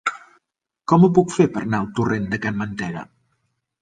Com ho puc fer per anar al torrent de Can Mantega?